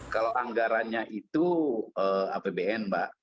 kalau anggarannya itu apbn mbak